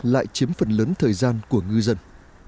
lại chiếm phần lớn thời gian của ngư dân